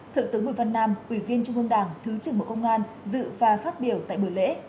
thượng tướng bùi văn nam ủy viên trung ương đảng thứ trưởng bộ công an dự và phát biểu tại buổi lễ